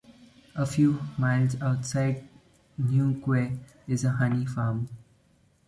A few miles outside New Quay is a honey farm.